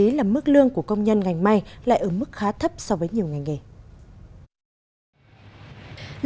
vì là mức lương của công nhân ngành may lại ở mức khá thấp so với nhiều ngành nghề